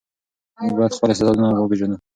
موږ باید خپل استعدادونه وپېژنو.